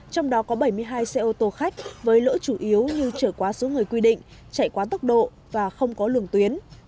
trong đó có bảy mươi hai xe ô tô khách với lỗi chủ yếu như trở quá số người quy định chạy quá tốc độ và không có lường tuyến